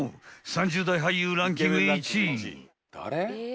３０代俳優ランキング１位］